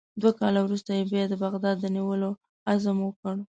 دوه کاله وروسته یې بیا د بغداد د نیولو عزم وکړ.